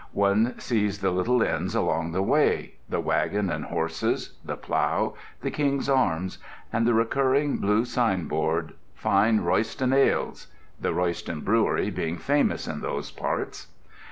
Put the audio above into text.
One sees the little inns along the way—the Waggon and Horses, the Plough, the King's Arms—and the recurring blue signboard Fine Royston Ales (the Royston brewery being famous in those parts).